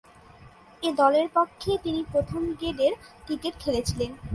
এ দলের পক্ষেই তিনি প্রথম-গেডের ক্রিকেট খেলেছিলেন।